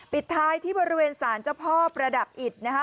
ปิดท้ายที่บริเวณสารเจ้าพ่อประดับอิตนะคะ